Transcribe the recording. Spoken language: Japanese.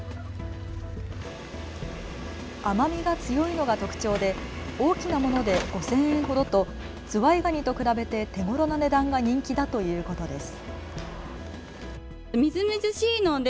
甘みが強いのが特徴で大きなもので５０００円ほどとズワイガニと比べて手ごろな値段が人気だということです。